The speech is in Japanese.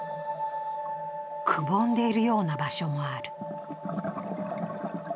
くぼんでいるような場所もある。